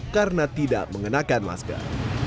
karena tidak mengenakan masker